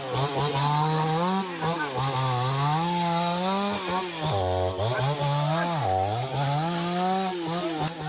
๓เลี้ยงเป็นตัวเจ้ารอบและอาการรอบ